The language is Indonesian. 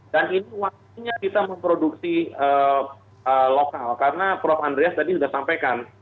dan ini waktunya kita memproduksi lokal karena prof andreas tadi sudah sampaikan